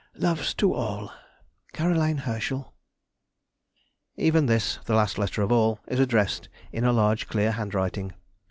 Loves to all. CAROLINE HERSCHEL. Even this, the last letter of all, is addressed in a large, clear handwriting.